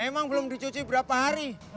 memang belum dicuci berapa hari